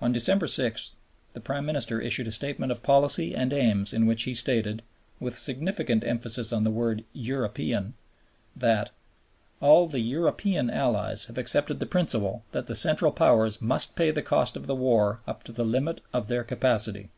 On December 6, the Prime Minister issued a statement of policy and aims in which he stated, with significant emphasis on the word European, that "All the European Allies have accepted the principle that the Central Powers must pay the cost of the war up to the limit of their capacity."